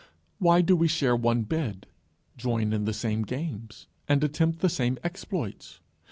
Why do we share one bed, join in the same games, and attempt the same exploits?